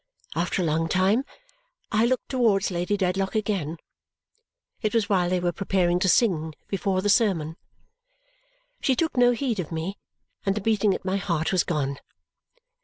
After a long time, I looked towards Lady Dedlock again. It was while they were preparing to sing, before the sermon. She took no heed of me, and the beating at my heart was gone.